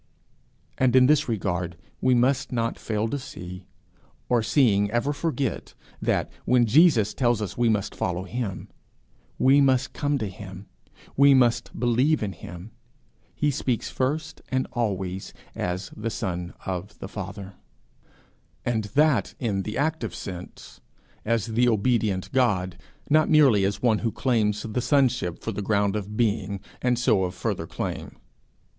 And in this regard we must not fail to see, or seeing ever forget, that, when Jesus tells us we must follow him, we must come to him, we must believe in him, he speaks first and always as the Son of the Father and that in the active sense, as the obedient God, not merely as one who claims the sonship for the ground of being and so of further claim.